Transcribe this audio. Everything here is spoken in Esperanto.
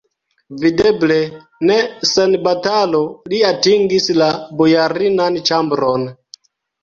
Videble, ne sen batalo li atingis la bojarinan ĉambron.